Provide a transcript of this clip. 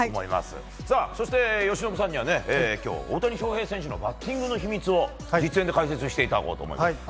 そして由伸さんには今日、大谷翔平選手のバッティングの秘密を実演で解説していただこうと思います。